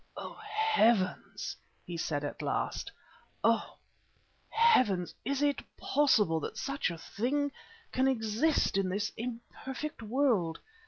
"Oh! Heavens," he said at last, "oh! Heavens, is it possible that such a thing can exist in this imperfect world?